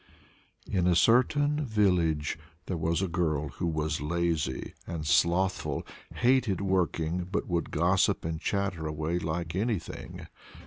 In a certain village there was a girl who was lazy and slothful, hated working but would gossip and chatter away like anything.